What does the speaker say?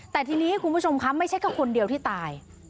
แต่ทีนี้คุณผู้ชมคะไม่ใช่แค่คนเดียวที่ตาย